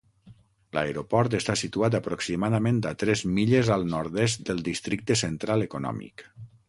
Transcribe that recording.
L'aeroport està situat aproximadament a tres milles al nord-est del districte central econòmic.